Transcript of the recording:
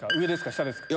下ですか？